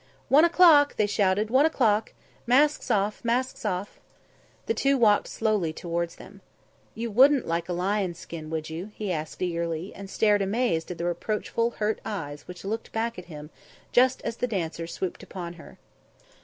"One o'clock!" they shouted. "One o'clock. Masks off; masks off!" The two walked slowly towards them. "You would like a lion's skin, wouldn't you?" he asked eagerly, and stared amazed at the reproachful, hurt eyes which looked back at him just as the dancers swooped upon her.